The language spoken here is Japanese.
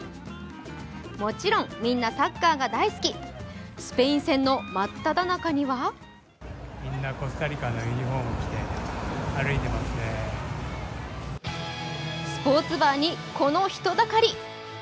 もちろん、みんなサッカーが大好きスペイン戦の真っただ中にはスポーツバーにこの人だかり。